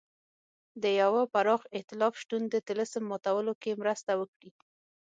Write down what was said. د یوه پراخ اېتلاف شتون د طلسم ماتولو کې مرسته وکړي.